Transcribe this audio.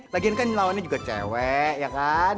lagian kan lawannya juga cewek ya kan